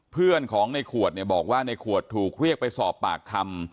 เพื่อนของในขวดเนี่ยบอกว่าในขวดถูกเรียกไปสอบปากคำ